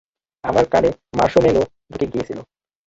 আমার কানে মার্শমেলো ঢুকে গিয়েছিল।